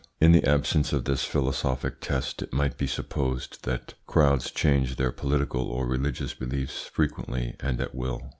In the absence of this philosophic test it might be supposed that crowds change their political or religious beliefs frequently and at will.